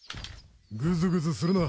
ぐずぐずするな。